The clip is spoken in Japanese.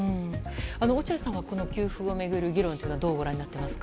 落合さんはこの給付を巡る議論をどうご覧になっていますか？